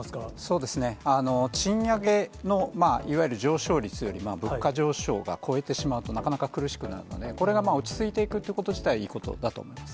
そうですね、賃上げの、いわゆる上昇率より、物価上昇が超えてしまうとなかなか苦しくなるので、これが落ち着いていくということ自体、いいことだと思います。